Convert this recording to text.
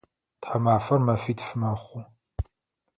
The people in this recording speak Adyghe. Тхьамафэр мэфитф мэхъу.